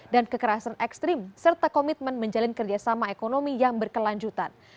dan kekerasan ekstrim serta komitmen menjalin kerjasama ekonomi yang berkelanjutan